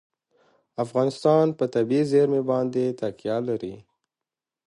افغانستان په طبیعي زیرمې باندې تکیه لري.